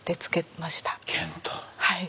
はい。